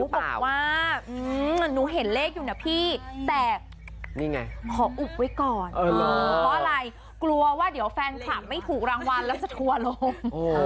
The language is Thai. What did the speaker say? เพราะอะไรกลัวว่าเดี๋ยวแฟนคลับไม่ถูกรางวัลแล้วจะถัวลง